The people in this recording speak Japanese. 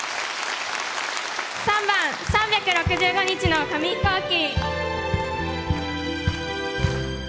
３番「３６５日の紙飛行機」。